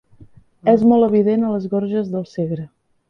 És molt evident a les Gorges del Segre.